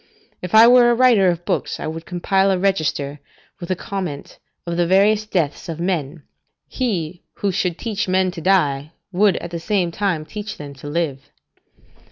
If I were a writer of books, I would compile a register, with a comment, of the various deaths of men: he who should teach men to die would at the same time teach them to live.